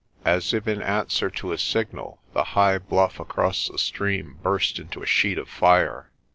As if in answer to a signal the high bluff across the stream burst into a sheet of fire.